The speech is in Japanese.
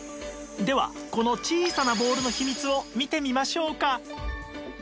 ではこの小さなボールの秘密を見てみましょうか